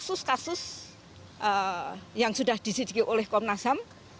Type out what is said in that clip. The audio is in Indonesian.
terus kasus yang sudah disediakan oleh komnas ham